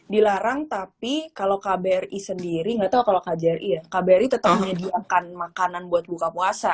dilarang tapi kalau kbri sendiri nggak tahu kalau kjri ya kbri tetap menyediakan makanan buat buka puasa